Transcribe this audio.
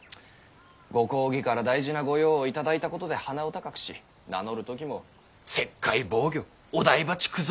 ご公儀から大事な御用を頂いたことで鼻を高くし名乗る時も「摂海防禦御台場築造